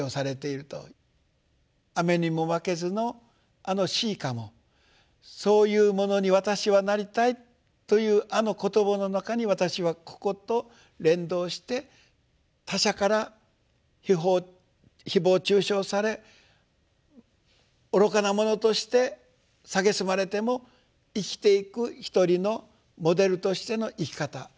「雨ニモマケズ」のあの詩歌も「サウイフモノニワタシハナリタイ」というあの言葉の中に私はここと連動して他者から誹謗中傷され愚かなものとして蔑まれても生きていく一人のモデルとしての生き方。